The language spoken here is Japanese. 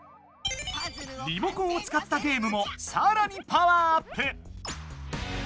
リモコンをつかったゲームもさらにパワーアップ！